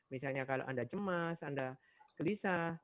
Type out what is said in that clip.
misalnya kalau anda cemas anda gelisah